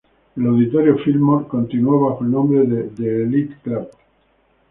El auditorio Fillmore continuó bajo el nombre de The Elite Club.